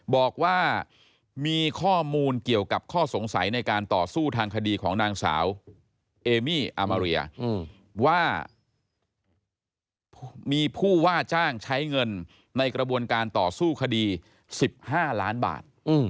บอกว่ามีข้อมูลเกี่ยวกับข้อสงสัยในการต่อสู้ทางคดีของนางสาวเอมี่อามาเรียว่ามีผู้ว่าจ้างใช้เงินในกระบวนการต่อสู้คดี๑๕ล้านบาท